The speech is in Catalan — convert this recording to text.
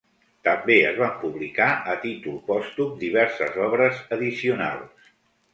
També es van publicar a títol pòstum diverses obres addicionals.